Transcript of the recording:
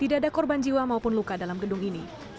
tidak ada korban jiwa maupun luka dalam gedung ini